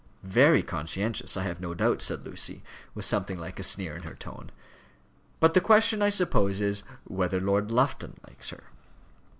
"Very conscientious, I have no doubt," said Lucy, with something like a sneer in her tone. "But the question, I suppose, is, whether Lord Lufton likes her."